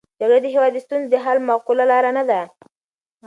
جګړه د هېواد د ستونزو د حل معقوله لاره نه ده.